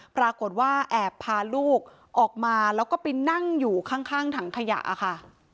ปรากฏว่าแอบพาลูกออกมาแล้วก็ไปนั่งอยู่ข้างถังขยะค่ะ